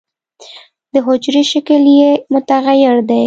د حجرې شکل یې متغیر دی.